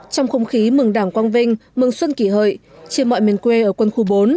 trong không khí mừng đảng quang vinh mừng xuân kỷ hợi trên mọi miền quê ở quân khu bốn